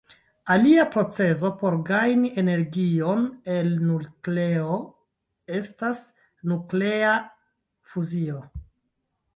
Alia procezo por gajni energion el nukleo estas nuklea fuzio.